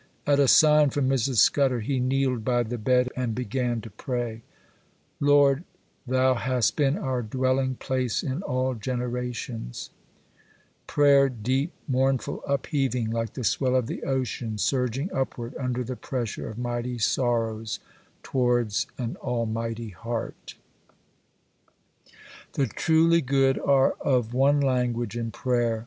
At a sign from Mrs. Scudder, he kneeled by the bed, and began to pray,—'Lord, thou hast been our dwelling place in all generations,'—prayer deep, mournful, upheaving like the swell of the ocean, surging upward, under the pressure of mighty sorrows, towards an Almighty heart. The truly good are of one language in prayer.